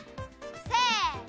せの！